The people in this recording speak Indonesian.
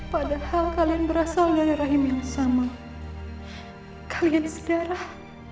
padahal kalian berasal dari rahim yang sama kalian disedarah